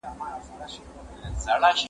موده مخکي چي دي مړ سپین ږیری پلار دئ